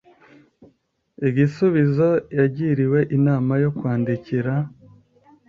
igisubizo yagiriwe inama yo kwandikira